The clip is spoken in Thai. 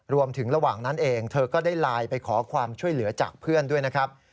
ระหว่างนั้นเองเธอก็ได้ไลน์ไปขอความช่วยเหลือจากเพื่อนด้วยนะครับ